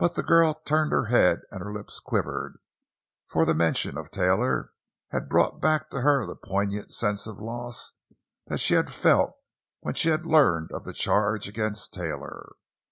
But the girl turned her head, and her lips quivered, for the mention of Taylor had brought back to her the poignant sense of loss that she had felt when she had learned of the charge against Taylor.